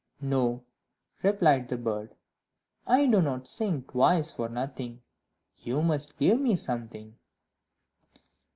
"No," replied the bird, "I do not sing twice for nothing; you must give me something."